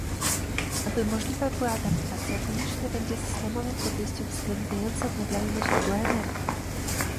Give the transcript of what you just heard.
Aby możliwa była adaptacja, konieczne będzie systemowe podejście uwzględniające odnawialne źródła energii